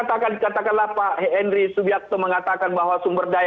nah kalau kita katakan katakanlah pak henry subiakso mengatakan bahwa sumber daya